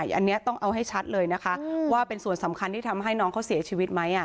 อันนี้ต้องเอาให้ชัดเลยนะคะว่าเป็นส่วนสำคัญที่ทำให้น้องเขาเสียชีวิตไหม